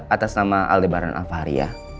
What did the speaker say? atas nama aldebaran al fahri ya